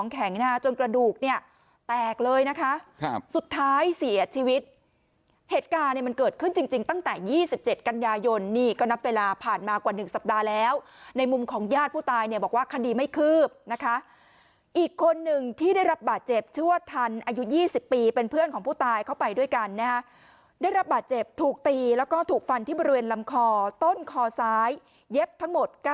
เหตุการณ์เนี่ยมันเกิดขึ้นจริงจริงตั้งแต่ยี่สิบเจ็ดกันยายนนี่ก็นับเวลาผ่านมากว่าหนึ่งสัปดาห์แล้วในมุมของญาติผู้ตายเนี่ยบอกว่าคันดีไม่คืบนะคะอีกคนนึงที่ได้รับบาดเจ็บชั่วทันอายุยี่สิบปีเป็นเพื่อนของผู้ตายเข้าไปด้วยกันนะคะได้รับบาดเจ็บถูกตีแล้วก็ถูกฟันที่บริเวณลำคอต้น